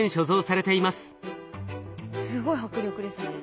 すごい迫力ですね。